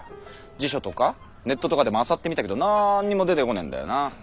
辞書とかネットとかでもあさってみたけどなーんにも出てこねーんだよな。